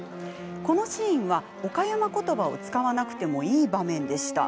このシーンは、岡山ことばを使わなくてもいい場面でした。